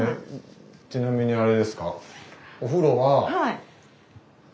ちなみにあれですか？